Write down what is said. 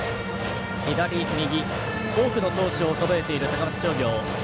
左、右、多くの投手をそろえている高松商業。